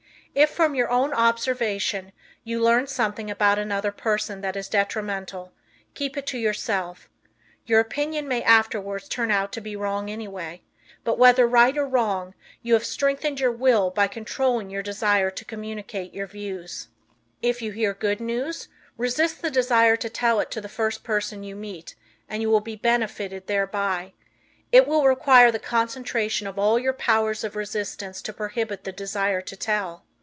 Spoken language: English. If, from your own observation, you learn something about another person that is detrimental, keep it to yourself. Your opinion may afterwards turn out to be wrong anyway, but whether right or wrong, you have strengthened your will by controlling your desire to communicate your views. If you hear good news resist the desire to tell it to the first person you meet and you will be benefited thereby. It will require the concentration of all your powers of resistance to prohibit the desire to tell.